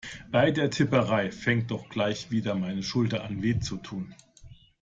Bei der Tipperei fängt doch gleich wieder meine Schulter an weh zu tun.